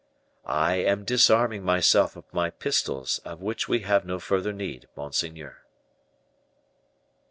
"I am disarming myself of my pistols, of which we have no further need, monseigneur."